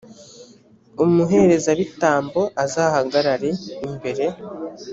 umuherezabitambo azahagarare imbere,